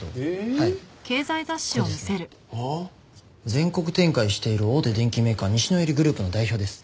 全国展開している大手電機メーカー西野入グループの代表です。